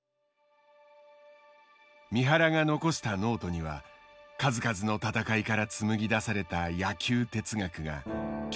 三原が残したノートには数々の戦いから紡ぎ出された野球哲学が凝縮されている。